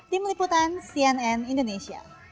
tim liputan cnn indonesia